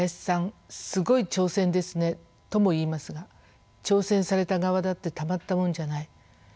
すごい挑戦ですね」とも言いますが挑戦された側だってたまったもんじゃない。